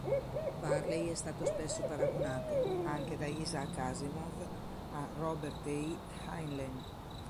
Varley è stato spesso paragonato, anche da Isaac Asimov, a Robert A. Heinlein.